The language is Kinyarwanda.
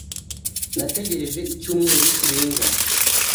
Nategereje icyumweru kirenga.